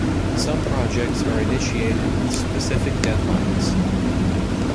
Some projects are initiated with specific deadlines.